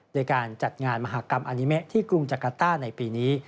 โดยการจัดงานมหากรรมอานิเมะที่กรุงจักรต้าในปีนี้